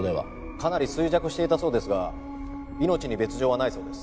かなり衰弱していたそうですが命に別条はないそうです。